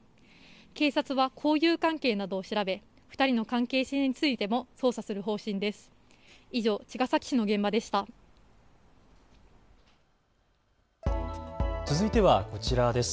警察は交友関係などを調べ２人の関係性についても捜査する方針です。